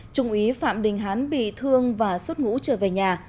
trung ý phạm đình hán bị thương và suốt ngũ trở về nhà